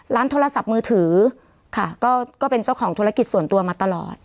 โทรศัพท์มือถือค่ะก็เป็นเจ้าของธุรกิจส่วนตัวมาตลอด